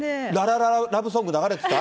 ララララブソング流れてた？